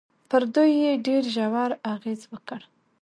پر دوی يې ډېر ژور اغېز وکړ.